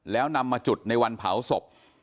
แล้วนำมาจุดในวันเผาศพ